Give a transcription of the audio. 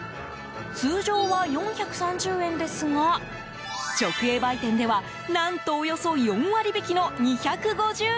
通常は４３０円ですが直営売店では何とおよそ４割引きの２５０円。